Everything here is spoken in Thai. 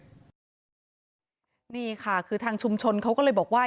นี่ค่ะคือทางชุมชนเขาก็เลยบอกว่า